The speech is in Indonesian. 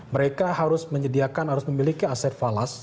mereka harus menyediakan harus memiliki aset falas